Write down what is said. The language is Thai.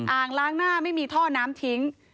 อ่างล้างหน้าไม่มีท่อน้ำทิ้ง